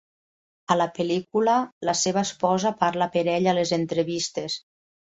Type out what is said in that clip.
A la pel·lícula, la seva esposa parla per ell a les entrevistes.